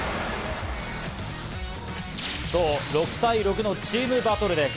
そう、６対６のチームバトルです。